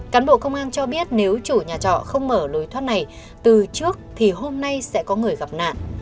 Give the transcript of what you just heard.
cán bộ công an cho biết nếu chủ nhà trọ không mở lối thoát này từ trước thì hôm nay sẽ có người gặp nạn